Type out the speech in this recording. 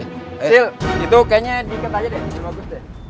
eh sil itu kayaknya diikat aja deh